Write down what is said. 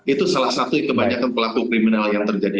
itu salah satu kebanyakan pelaku kriminal yang terjadi